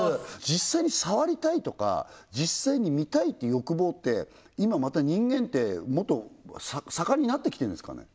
実際に触りたいとか実際に見たいって欲望って今また人間ってもっと盛んになってきてるんですかね？